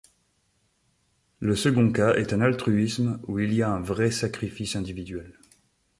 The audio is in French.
Le second cas est un altruisme où il y a un vrai sacrifice individuel.